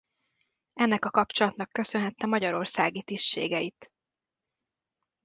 Ennek a kapcsolatnak köszönhette magyarországi tisztségeit.